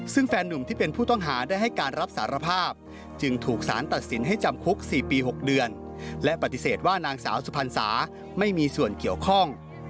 ซึ่งแฟนนุ่มที่เป็นผู้ต้องหาได้ให้การรับสารภาพจึงถูกสารตัดสินให้จำคุก๔ปี๖เดือนและปฏิเสธว่านางสาวสุพรรณสาไม่มีส่วนเกี่ยวข้อง